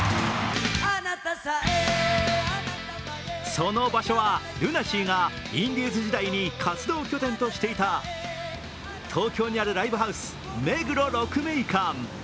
その場所はＬＵＮＡＳＥＡがインディーズ時代に活動拠点としていた東京にあるライブハウス目黒鹿鳴館。